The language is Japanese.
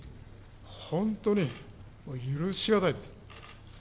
本当に許し難いです。